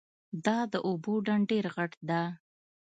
دا د اوبو ډنډ ډېر غټ ده